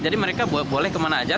jadi mereka boleh ke mana aja